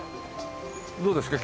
どうですか？